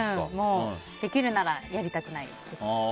できるならやりたくないです。